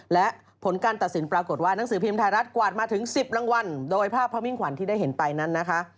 และผลการตัดสินปรากฏว่านังสือพิมพ์ไทยรัฐกวาดมาถึง๑๐รางวัลโดยภาพพระมิ่งขวัญที่ได้เห็นไปนั้นนะคะ